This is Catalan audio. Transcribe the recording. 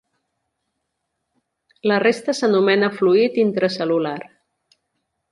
La resta s'anomena fluid intracel·lular.